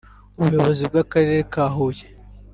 Umuyobozi w’akarere ka Huye